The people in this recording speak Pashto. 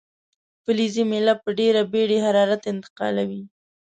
فلزي میله په ډیره بیړې حرارت انتقالوي.